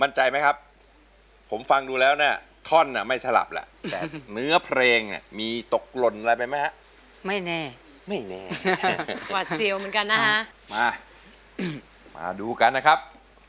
ไม่แน่ไม่แน่หวัดเสียวเหมือนกันนะฮะมามาดูกันนะครับ